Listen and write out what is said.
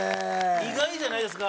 意外じゃないですか？